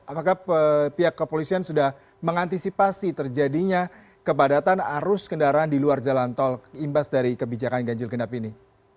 apakah pihak kepolisian sudah mengantisipasi terjadinya kepadatan arus kendaraan di luar jalan tol imbas dari kebijakan ganjil genap ini